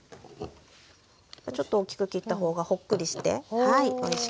ちょっと大きく切ったほうがほっくりしておいしく仕上がります。